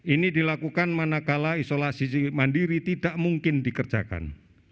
ini dilakukan manakala isolasi mandiri tidak mungkin dikerjakan